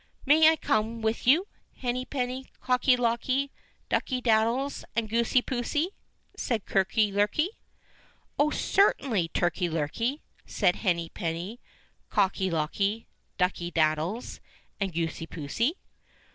"May I come with you, Henny penny, Cocky locky, Ducky daddies, and Goosey poosey?" said Turkey lurkey. "Oh, certainly, Turkey lur key," said Henny penny, Cocky locky, Ducky daddies, and Goosey poosey.